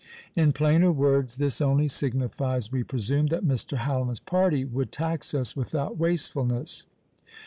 In plainer words, this only signifies, we presume, that Mr. Hallam's party would tax us without "wastefulness!"